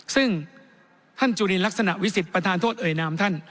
ซึ่งท่านจุลินลักษณะวิสิทธิประธานโทษเอ่ยนามท่าน